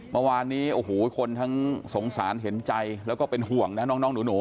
เมื่อวานนี้โอ้โหคนทั้งสงสารเห็นใจแล้วก็เป็นห่วงนะน้องหนู